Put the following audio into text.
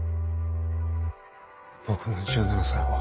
僕の１７才は。